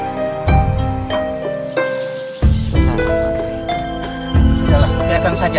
sudahlah biarkan saja